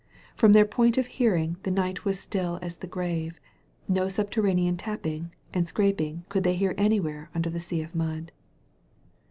Prom their point of hearing the night was still as the grave — no subterranean tap ping and scraping could they hear anywhere under the sea of mud.